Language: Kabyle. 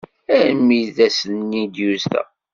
Armi d ass-nni i d-yusa.